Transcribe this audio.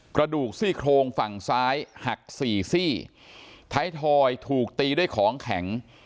กระดูกซี่โครงฝั่งซ้ายหักสี่ซี่ท้ายทอยถูกตีด้วยของแข็ง